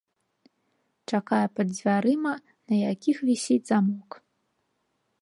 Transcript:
Чакае пад дзвярыма, на якіх вісіць замок.